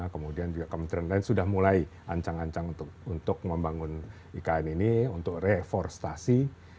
kemudian juga kementerian lain sudah mulai ancang ancang untuk membangun ikn ini untuk reforestasi